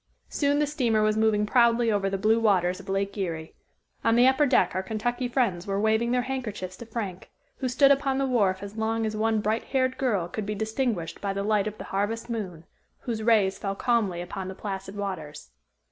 Soon the steamer was moving proudly over the blue waters of Lake Erie. On the upper deck our Kentucky friends were waving their handkerchiefs to Frank, who stood upon the wharf as long as one bright haired girl could be distinguished by the light of the harvest moon, whose rays fell calmly upon the placid waters.